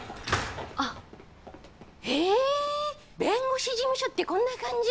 あっへ弁護士事務所ってこんな感じ？